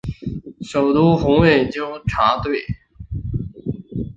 首都红卫兵纠察队。